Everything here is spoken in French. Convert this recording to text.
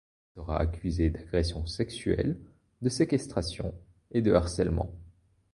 Il sera accusé d'agression sexuelle, de séquestration et de harcèlement.